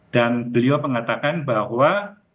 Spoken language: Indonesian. dan beliau mengatakan bahwa